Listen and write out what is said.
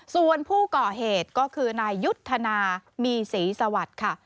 ส่วนผู้ก่อเหตุก็คือนายยุทธนามีศรีสวัสดิ์ค่ะ